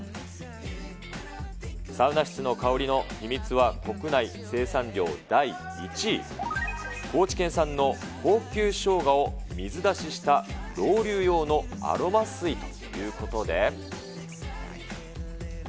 サウナ室の香りの秘密は国内生産量第１位、高知県産の高級しょうがを、水だししたロウリュウ用のアロマ水ということで。